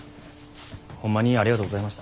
ホンマにありがとうございました。